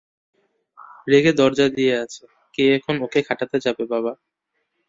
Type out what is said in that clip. রেগে দরজা দিয়া আছে, কে এখন ওকে ঘাটাতে যাবে বাবা।